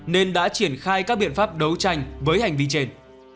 nên đã triển khai các biện pháp đấu tranh với hành vi trên